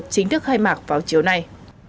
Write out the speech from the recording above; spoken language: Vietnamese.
chính thức khai mạc vào chiều nay